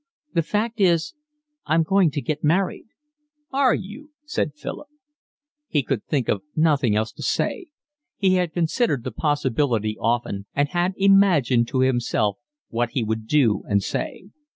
The fact is I'm going to get married." "Are you?" said Philip. He could think of nothing else to say. He had considered the possibility often and had imagined to himself what he would do and say.